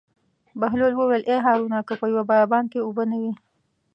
بهلول وویل: ای هارونه که په یوه بیابان کې اوبه نه وي.